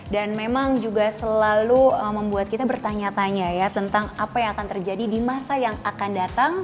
dan memang juga selalu membuat kita bertanya tanya ya tentang apa yang akan terjadi di masa yang akan datang